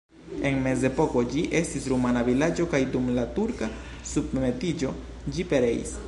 En mezepoko ĝi estis rumana vilaĝo kaj dum la turka submetiĝo ĝi pereis.